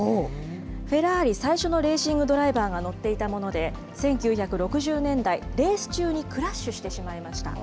フェラーリ最初のレーシングドライバーが乗っていたもので、１９６０年代、レース中にクラッシュしてしまいました。